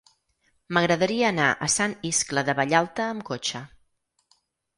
M'agradaria anar a Sant Iscle de Vallalta amb cotxe.